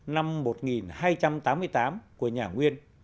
năm một nghìn hai trăm tám mươi tám của nhà nguyên